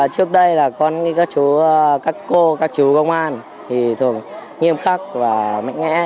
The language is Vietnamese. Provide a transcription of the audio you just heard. trước đây là con như các chú các cô các chú công an thì thường nghiêm khắc và mạnh mẽ